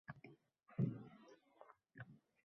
Abdujabbor yana qassob huzuriga keldi